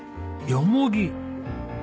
ヨモギ。